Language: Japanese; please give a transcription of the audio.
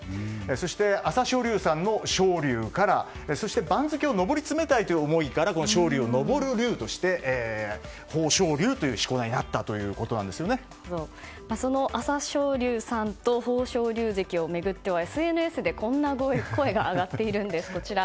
そして朝青龍さんの「青龍」からそして番付を上り詰めたいという思いから昇龍で上り詰めるということで豊昇龍という、しこ名にその朝青龍さんと豊昇龍関を巡ってはＳＮＳでこんな声が上がっています。